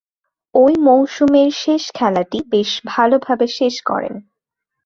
ঐ মৌসুমের শেষ খেলাটি বেশ ভালোভাবে শেষ করেন।